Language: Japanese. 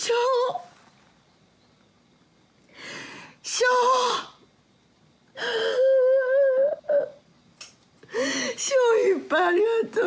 「ショウいっぱいありがとう。